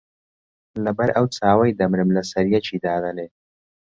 لەبەر ئەو چاوەی دەمرم لەسەر یەکی دادەنێ